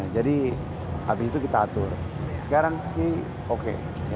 jadi habis itu kita atur sekarang sih oke